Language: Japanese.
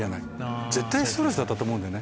絶対ストレスだと思うんだよね。